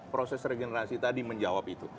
proses regenerasi tadi menjawab itu